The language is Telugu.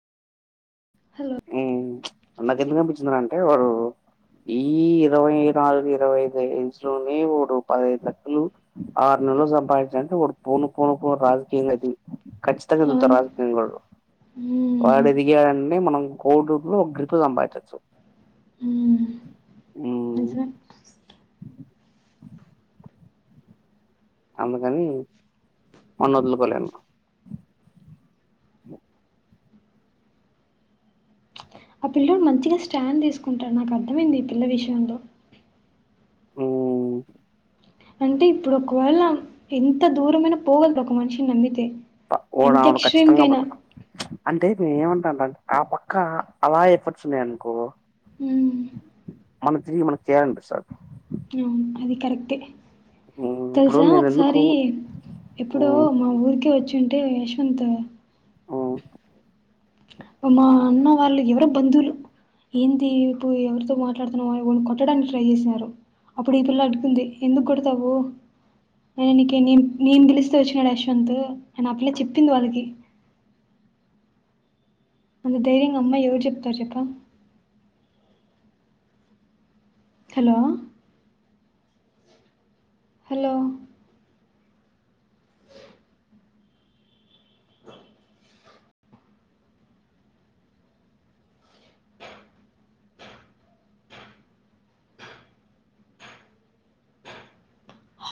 హలో ఊ నాకెందుక్ అన్పిచినాడంటే వాడు ఈ ఇరవై నాలుగు, ఇరవై ఐదు ఏజ్లో నే [unintelligible] ల [inaudible] లు ఆరు నెల్లో సంపాదించి. అయితే వాడు పోను పోను పో రాజకీయలకి ఖచ్చితంగా చూత్తారు అవును రాజకీయ వాడు హ్మ్ వాడు అవును ఎదిగాడని మనం కోడుకు గ్రికు సంపాయిచచ్చు ఉ రిసన్ అందుకని మొన్న వదులుకోలేను ఆ పిల్లోడు మంచిగా స్టాండ్ తీసుకుంటాడు నాకు అర్థమైంది ఈ పిల్ల విషయంలో మ్మ్ అంటే ఇప్పుడు ఒకవేళ ఎంత దూరమైన పోగల్త ఒక మనిషిని నమ్మితే వ వాడు, ఎంత ఆమెతొ ఖచ్చితంగా ఎక్స్ట్రీమ్కైనా పోతాడు అంటే మే ఏమన్న అలాంట్ ఆ పక్కా అలా ఎఫర్ట్స్ ఉన్నాయ్ అనుకో హ్మ్ మన తిరిగి మనక్ చేయాలన్పిస్తద్ అవును అది కరెక్టే తెలుసా నేను ఎందుకు ఒకసారీ ఎప్పుడో ఉమ్ మా ఊరికే వచ్చి అంటే యశ్వంత్ ఉమ్ మా అన్న వాళ్ళు ఎవరో బంధువులు ఏందీ ఇప్పు ఎవరితో మాట్లాడుతున్నవ్ [unintelligible] కొట్టడానికి ట్రై చేశారు అప్పుడు ఈ పిల్ల అడ్డుకుంది ఎందుకు కొడతావు నే నీకె నే నేన్ పిలిస్తే వచ్చినాడు యశ్వంత్ అని ఆ పిల్ల చెప్పింది వాళ్ళకి అంత ధైర్యంగ అమ్మాయి ఎవరు చెప్తారు చెప్పు హలో హలో